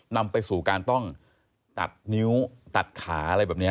นำไปสู่การต้องตัดนิ้วตัดขาอะไรแบบนี้